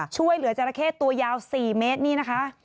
ช่วยเหลือจราเข้ตัวยาว๔เมตรนี่นะคะ